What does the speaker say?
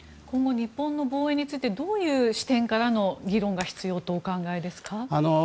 今後、日本の防衛についてどういう視点からの議論が必要とお考えですか？